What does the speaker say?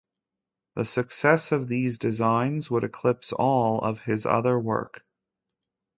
The success of these designs would eclipse all of his other work.